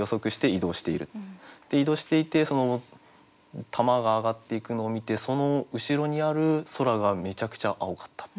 移動していてその球が上がっていくのを見てその後ろにある空がめちゃくちゃ蒼かった。